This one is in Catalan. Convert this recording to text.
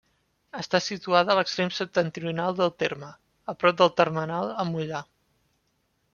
Està situada a l'extrem septentrional del terme, a prop del termenal amb Moià.